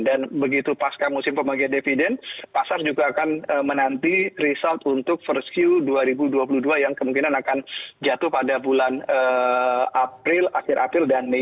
dan begitu pas ke musim pembagian dividend pasar juga akan menanti result untuk first queue dua ribu dua puluh dua yang kemungkinan akan jatuh pada bulan april akhir april dan mei